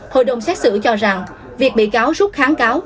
hội đồng xét xử cho rằng việc bị cáo rút kháng cáo